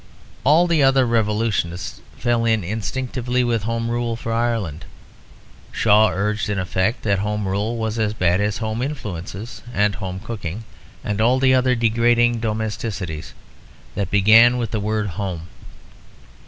All the other revolutionists fell in instinctively with Home Rule for Ireland. Shaw urged, in effect, that Home Rule was as bad as Home Influences and Home Cooking, and all the other degrading domesticities that began with the word "Home."